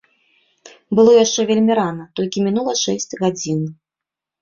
Было яшчэ вельмі рана, толькі мінула шэсць гадзін.